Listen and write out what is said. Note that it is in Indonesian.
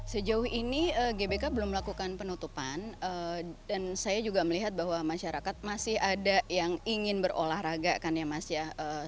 sejauh ini gbk belum melakukan penutupan dan saya juga melihat bahwa masyarakat masih ada yang ingin berolahraga kan ya mas ya